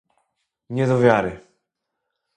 Nie do wiary!